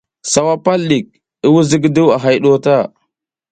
Sawa pal ɗik, i wuɗ zigiduw a hay ɗu o ta.